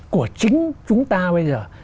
của chính chúng ta bây giờ